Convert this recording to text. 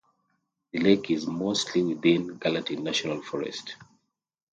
The lake is mostly within Gallatin National Forest.